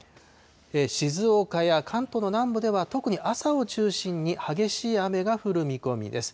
静岡や関東の南部では、特に朝を中心に、激しい雨が降る見込みです。